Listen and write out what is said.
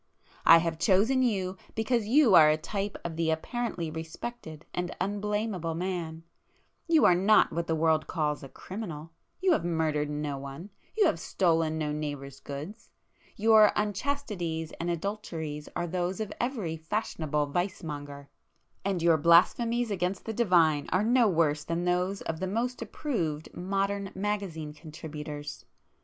I have chosen you because you are a type of the apparently respected and unblamable man;—you are not what the world calls a criminal,—you have murdered no one,—you have stolen no neighbour's goods—, your unchastities and adulteries are those of every 'fashionable' vice monger,—and your blasphemies against the Divine are no worse than those of the most approved modern magazine contributors.